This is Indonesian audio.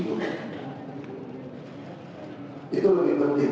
itu adalah hal yang harus diperhatikan